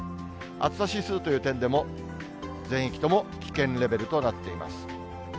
暑さ指数という点でも、全域とも危険レベルとなっています。